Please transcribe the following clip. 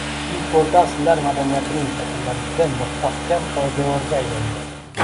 Ilk o‘rta asrlar madaniyatining shakllanishida mustahkam poydevorga aylangan.